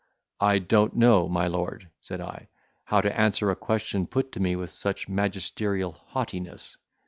"I don't know, my lord," said I, "how to answer a question put to me with such magisterial haughtiness.